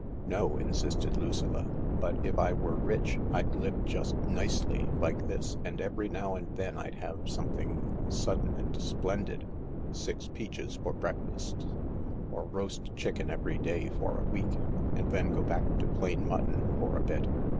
" No," insisted Lucilla ;" but if I were rich I'd live just nicely— like this — and every now and then I'd have some thing sudden and splendid— six peaches for breakfast, or THE LARK 203 roast chicken every day for a week — and then go back to plain mutton for a bit."